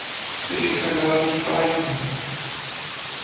Den können wir also streichen.